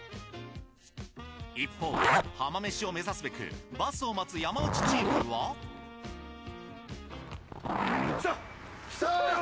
一方浜めしを目指すべくバスを待つ山内チームは。来たよ！